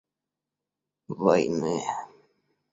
войны